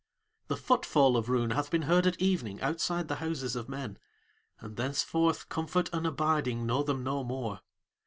The footfall of Roon hath been heard at evening outside the houses of men, and thenceforth comfort and abiding know them no more.